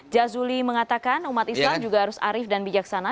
jazuli mengatakan umat islam juga harus arif dan bijaksana